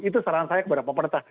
itu saran saya kepada pemerintah